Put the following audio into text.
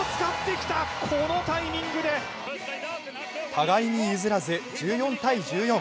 互いに譲らず１４−１４。